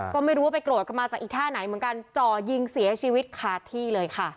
ก็ไม่รู้ว่าไปโกรธกันมาจากอีกท่าไหนเหมือนกันจ่อยิงเสียชีวิตขาดที่เลยค่ะ